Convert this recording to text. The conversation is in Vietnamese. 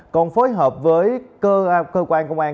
còn phối hợp với cơ quan công an